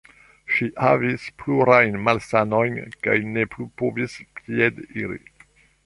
Ŝi havis plurajn malsanojn kaj ne plu povis piediri.